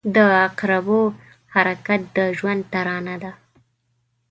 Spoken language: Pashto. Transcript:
• د عقربو حرکت د ژوند ترانه ده.